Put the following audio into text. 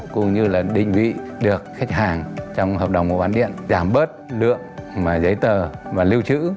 cũng như là định vị được khách hàng trong hợp đồng mua bán điện giảm bớt lượng giấy tờ và lưu trữ